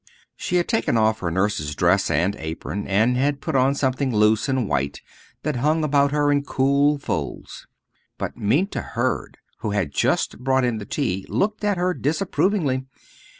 She had taken off her nurse's dress and apron, and had put on something loose and white that hung about her in cool folds. But Minta Hurd, who had just brought in the tea, looked at her disapprovingly.